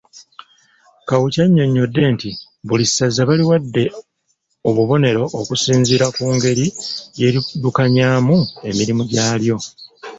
Kawuki annyonnyodde nti buli ssaza baliwadde obubonero okusinziira ku ngeri gye liddukanyaamu emirimu gyalyo.